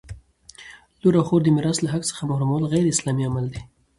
لور او خور د میراث له حق څخه محرومول غیراسلامي عمل دی!